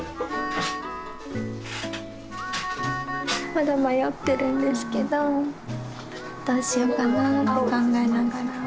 まだ迷ってるんですけどどうしようかなって考えながら。